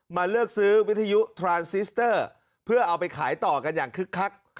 เลือกซื้อวิทยุทรานซิสเตอร์เพื่อเอาไปขายต่อกันอย่างคึกคัก